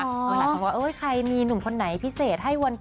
เวลาทำว่าเอ้ยใครมีหนุ่มคนไหนพิเศษให้วัน